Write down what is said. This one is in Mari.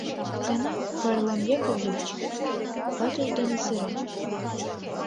Икана Варлам Яковлевич ватыж дене сырен.